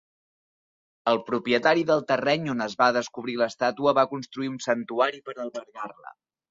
El propietari del terreny on es va descobrir l'estàtua va construir un santuari per albergar-la.